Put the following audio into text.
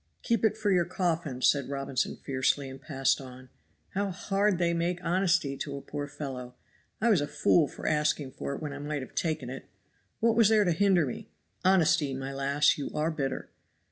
"Keep it for your coffin," said Robinson fiercely, and passed on. "How hard they make honesty to a poor fellow! I was a fool for asking for it when I might have taken it. What was there to hinder me? Honesty, my lass, you are bitter."